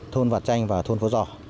thôn vạt chanh và thôn phố giò